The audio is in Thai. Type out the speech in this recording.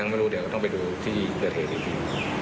ไม่รู้เดี๋ยวก็ต้องไปดูที่เกิดเหตุอีกที